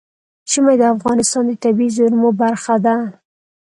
ژمی د افغانستان د طبیعي زیرمو برخه ده.